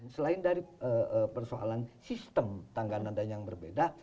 selain dari persoalan sistem tangga nadanya yang berbeda